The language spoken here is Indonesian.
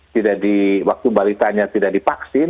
tidak di waktu balitanya tidak divaksin